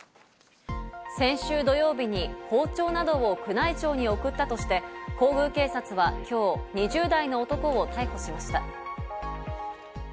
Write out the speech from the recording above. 先週土曜日に包丁などを宮内庁に送ったとして、皇宮警察は今日、２０代の男を逮捕しました。